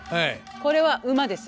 これは馬です。